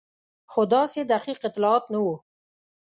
خو داسې دقیق اطلاعات نه وو.